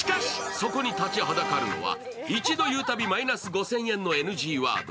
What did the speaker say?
そこに立ちはだかるのは一度言うたびマイナス５０００円のＮＧワード。